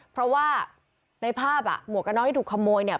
เพราะว่าในภาพอ่ะหมวกกระน็อกที่ถูกขโมยเนี่ย